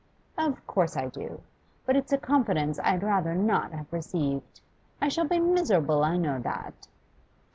'Of course I do. But it's a confidence I had rather not have received. I shall be miserable, I know that.